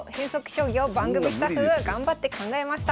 将棋を番組スタッフが頑張って考えました。